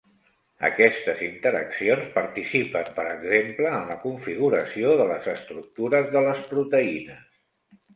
Aquestes interaccions participen, per exemple, en la configuració de les estructures de les proteïnes.